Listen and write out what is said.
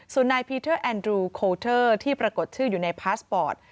ส่วนนายพีเทอร์แอนดรูโคเทอร์ที่ปรากฏชื่ออยู่ในพาสปอร์ต